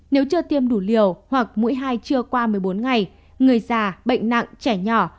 nếu chưa tiêm đủ liều hoặc mũi hai chưa qua một mươi bốn ngày người già bệnh nặng trẻ nhỏ